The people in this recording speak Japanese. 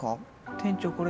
店長これ